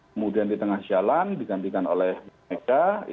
kemudian di tengah jalan digantikan oleh bumeka